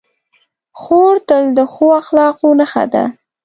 خور تل د ښو اخلاقو نښه ده.